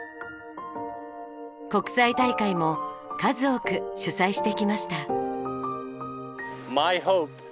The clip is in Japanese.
国際大会も数多く主催してきました。